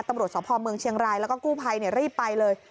ตำรวจสพเมืองเชียงรายแล้วก็กู้ภัยรีบไปเลย